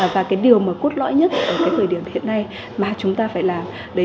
và cái điều mà cốt lõi nhất ở cái thời điểm hiện nay mà chúng ta phải làm đấy